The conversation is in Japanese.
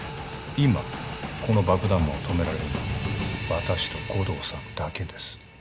今この爆弾魔を止められるのは私と護道さんだけです